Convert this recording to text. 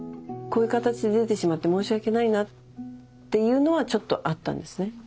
こういう形で出てしまって申し訳ないなっていうのはちょっとあったんですね。